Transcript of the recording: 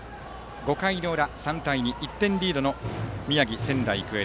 ５回の裏、３対２１点リードの宮城・仙台育英。